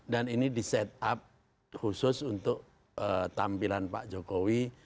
dan ini di set up khusus untuk tampilan pak jokowi